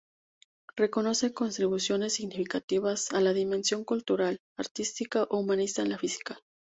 Reconoce contribuciones significativas a la dimensión cultural, artística o humanística de la física.